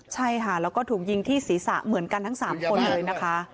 ใช่ค่ะแล้วก็ถูกยิงที่ศีรษะเหมือนกันทั้ง๓คนเลยนะคะ